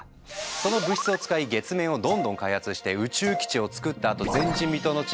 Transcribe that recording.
その物質を使い月面をどんどん開発して宇宙基地をつくったあと前人未踏の地